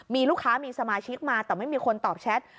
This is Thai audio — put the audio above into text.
มีลูกค้ามีสมาชิกมาแต่ไม่มีคนตอบแชท